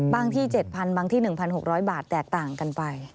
ที่๗๐๐บางที่๑๖๐๐บาทแตกต่างกันไป